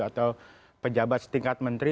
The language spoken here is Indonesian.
atau pejabat setingkat menteri